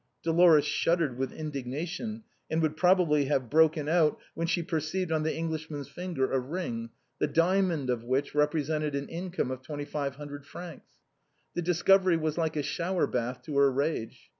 Dolores shuddered with indignation, and would proba bly have broken out, when she perceived on the English man's finger a ring, the diamond of which represented an income of twenty five hundred francs. This discovery was like a showerbath to her rage.